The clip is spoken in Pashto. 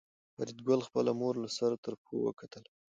فریدګل خپله مور له سر تر پښو وکتله